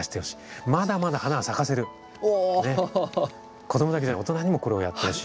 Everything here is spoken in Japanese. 子供だけじゃない大人にもこれをやってほしい。